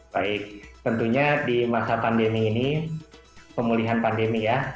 baik tentunya di masa pandemi ini pemulihan pandemi ya